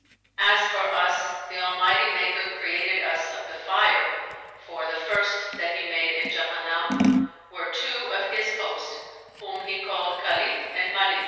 As for us, the Almighty Maker created us of the fire for the first that he made in Jahannam were two of His host whom he called Khalνt and Malνt.